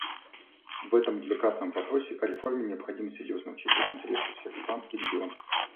В этом деликатном вопросе о реформе необходимо серьезно учитывать интересы всех стран и регионов.